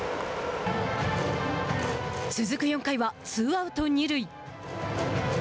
続く４回はツーアウト、二塁。